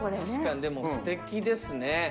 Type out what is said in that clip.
確かにすてきですね。